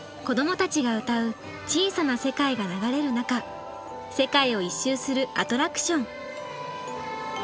子どもたちが歌う「小さな世界」が流れる中世界を一周するアトラクション。